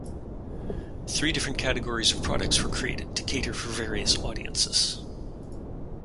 Three different categories of products were created to cater for various audiences.